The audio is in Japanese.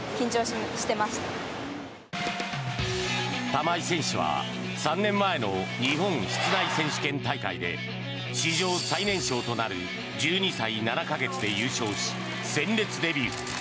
玉井選手は３年前の日本室内選手権大会で史上最年少となる１２歳７か月で優勝し鮮烈デビュー。